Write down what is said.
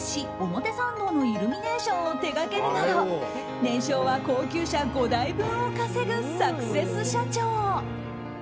表参道のイルミネーションを手掛けるなど年商は高級車５台分を稼ぐサクセス社長。